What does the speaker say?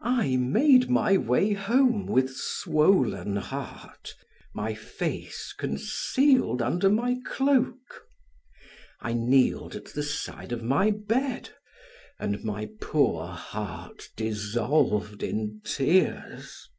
I made my way home with swollen heart, my face concealed under my cloak. I kneeled at the side of my bed and my poor heart dissolved in tears.